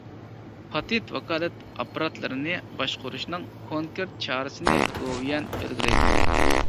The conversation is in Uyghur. پاتېنت ۋاكالەت ئاپپاراتلىرىنى باشقۇرۇشنىڭ كونكرېت چارىسىنى گوۋۇيۈەن بەلگىلەيدۇ.